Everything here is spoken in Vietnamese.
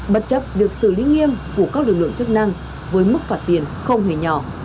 bất chấp việc xử lý nghiêm của các lực lượng chức năng với mức phạt tiền không hề nhỏ